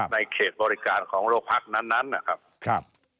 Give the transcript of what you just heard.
ในเขตบริการของโรงพักนั้นนะครับ